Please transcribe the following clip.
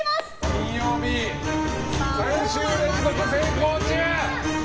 金曜日３週連続成功中！